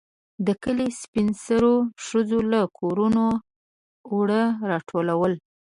د کلي سپين سرو ښځو له کورونو اوړه راټولول.